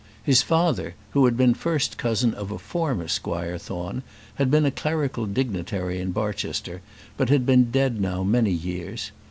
His father, who had been first cousin of a former Squire Thorne, had been a clerical dignitary in Barchester, but had been dead now many years.